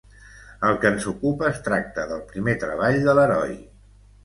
El que ens ocupa es tracta del primer treball de l'heroi.